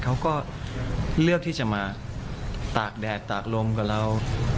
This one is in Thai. เขาก็เลือกที่จะมาตากแดดตากลมกับเรา